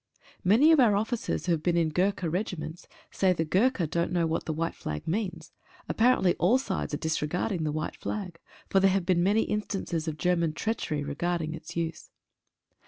Many of our officers who have been in Gurkha regiments say the Gurkha doesn't know what the white flag means. Apparently all sides are disre garding the white flag, for there have been many in stances of German treachery regarding its use.